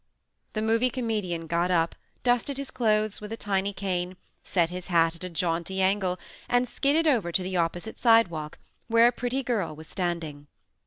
The Movie Comedian got up, dusted his clothes with a tiny cane, set his hat at a jaunty angle, and skidded over to the opposite sidewalk where a pretty girl was standing.